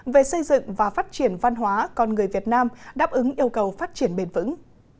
về xây dựng và phát triển văn hóa con người việt nam đáp ứng yêu cầu phát triển bền vững